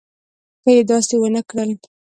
که یې داسې ونه کړل.